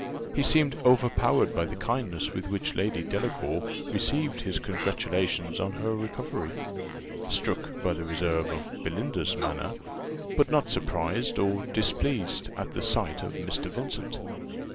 He seemed overpowered by the kindness with which Lady Delacour received his congratulations on her recovery struck by the reserve of Belinda's manner but not surprised, or displeased, at the sight of Mr. Vincent.